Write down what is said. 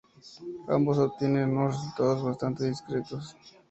Ambos obtienen unos resultados bastante discretos.